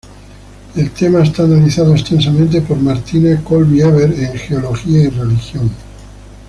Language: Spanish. El tema está analizado extensamente por Martina Kölbl-Ebert en "Geología y Religión".